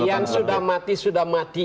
yang sudah mati sudah mati